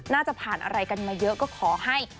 น่าจะผ่านอะไรกันมาเยอะก็ขอให้